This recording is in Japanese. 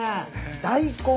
大根